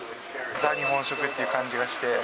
ザ日本食っていう感じがして。